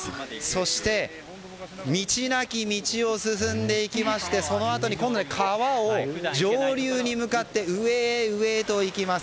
そして道なき道を進んでいきましてそのあとに今度は川を上流に向かって上へ、上へと行きます。